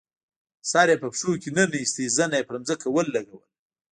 سر یې په پښو کې ننویست، زنه یې پر ځمکه ولګوله.